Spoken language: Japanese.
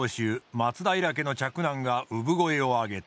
松平家の嫡男が産声を上げた。